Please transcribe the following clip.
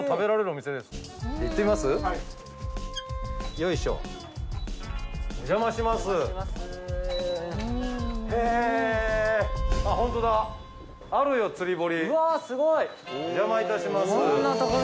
お邪魔致します。